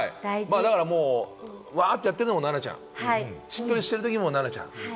ワーッてやってるのも奈々ちゃん、しっとりしてるときも奈々ちゃん。